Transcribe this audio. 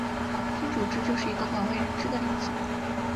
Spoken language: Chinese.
君主制就是一个广为人知的例子。